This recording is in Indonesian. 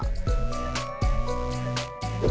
sejak dulu kambing selalu idup